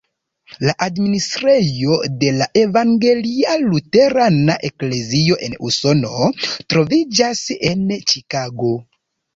La administrejo de la Evangelia Luterana Eklezio en Usono troviĝas en Ĉikago.